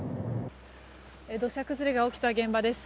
土砂崩れが起きた現場です。